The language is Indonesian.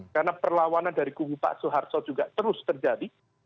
karena perlawanan dari kubu pak suarso juga terus terjadi